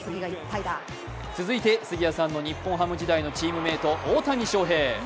続いて杉谷さんの日本ハム時代のチームメイト・大谷翔平。